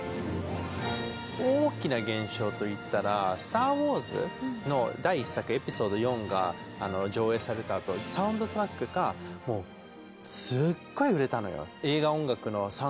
大きな現象といったら「スター・ウォーズ」の第１作「エピソード４」が上映されたあとサウンドトラックがもうすっごい売れたのよ。